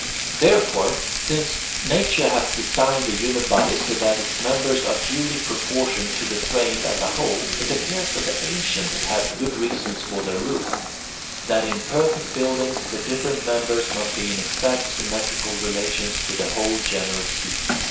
Therefore, since nature has designed the human body so that its members are duly proportioned to the frame as a whole, it appears that the ancients had good reason for their rule, that in perfect buildings the different members must be in exact symmetrical relations to the whole general scheme.